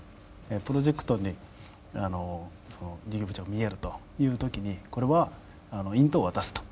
プロジェクトにあのその事業部長が見えるという時にこれは引導を渡すと。